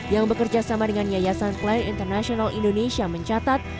yang bekerja sama dengan yayasan play international indonesia mencatat